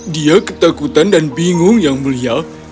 dia ketakutan dan bingung yang mulia